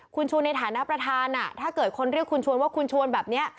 คุณชวนในฐานะประธานถ้าเกิดคนเรียกคุณชวนว่าคุณชวนแบบนี้